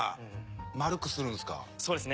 そうですね。